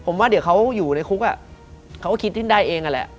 ผมว่าเดี๋ยวเขาอยู่ในคุกเขาก็คิดได้เองนั่นแหละ